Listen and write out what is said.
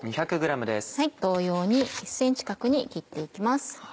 同様に１ｃｍ角に切って行きます。